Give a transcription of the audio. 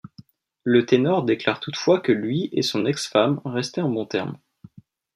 Le ténor déclare toutefois que lui et son ex-femme restaient en bon termes.